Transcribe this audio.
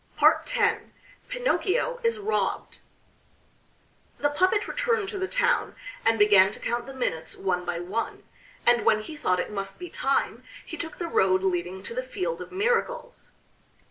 X PINOCCHIO IS ROBBED The puppet returned to the town and began to count the minutes one by one; and when he thought it must be time he took the road leading to the Field of Miracles.